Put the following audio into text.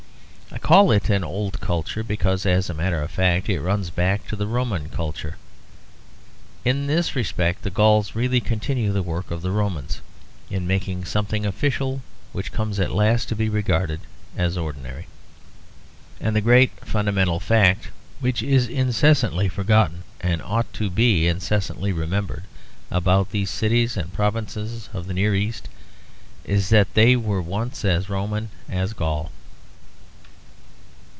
I call it an old culture because as a matter of fact it runs back to the Roman culture. In this respect the Gauls really continue the work of the Romans, in making something official which comes at last to be regarded as ordinary. And the great fundamental fact which is incessantly forgotten and ought to be incessantly remembered, about these cities and provinces of the near East, is that they were once as Roman as Gaul.